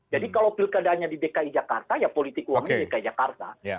jadi kalau pilkadanya di dki jakarta ya politik uangnya di dki jakarta